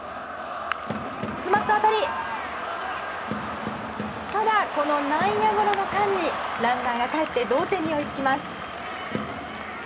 詰まった当たりただ、この内野ゴロの間にランナーがかえって同点に追いつきます。